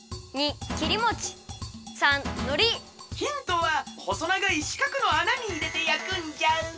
ヒントはほそながいしかくのあなにいれてやくんじゃ。